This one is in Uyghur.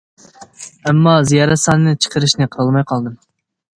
ئەمما زىيارەت سانىنى چىقىرىشنى قىلالماي قالدىم.